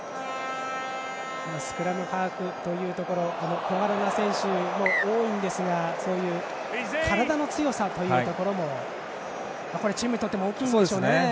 スクラムハーフというのは小柄な選手も多いんですがそういう体の強さというところもチームにとって大きいでしょうね。